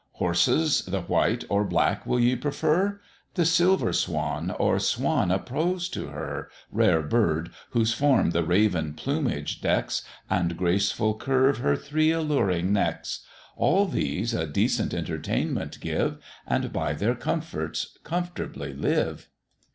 Horses the white or black will ye prefer? The Silver Swan or Swan opposed to her Rare bird! whose form the raven plumage decks, And graceful curve her three alluring necks? All these a decent entertainment give, And by their comforts comfortably live.